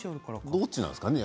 どっちなんですかね？